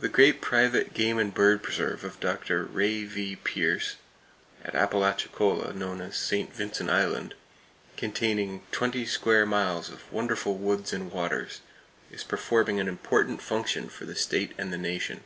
The great private game and bird preserve of Dr. Ray V. Pierce, at Apalachicola, known as St. Vincent Island, containing twenty square miles of wonderful woods and waters, is performing an important function for the state and the nation.